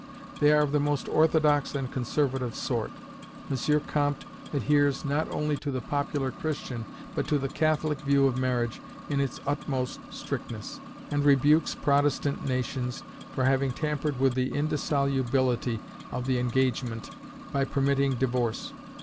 They are of the most orthodox and conservative sort. M. Comte adheres not only to the popular Christian, but to the Catholic view of marriage in its utmost strictness, and rebukes Protestant nations for having tampered with the indissolubility of the engagement, by permitting divorce.